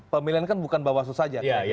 pemilihan kan bukan bawaslu saja